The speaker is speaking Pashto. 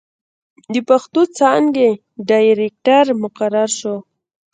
َد پښتو څانګې ډائرکټر مقرر شو